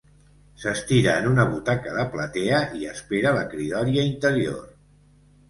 S'estira en una butaca de platea i espera la cridòria interior.